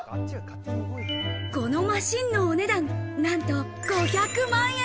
このマシンのお値段、なんと５００万円。